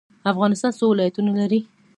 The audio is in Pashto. افغانستان څو ولایتونه لري؟